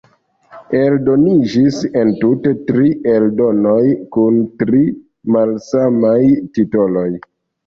Eldoniĝis entute tri eldonoj kun tri malsamaj titoloj.